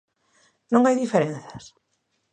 Non hai diferenzas?